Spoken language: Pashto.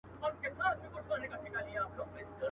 په مجلس کي به یې وویل نظمونه.